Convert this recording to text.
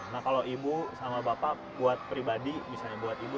nah kalau ibu sama bapak buat pribadi misalnya buat ibu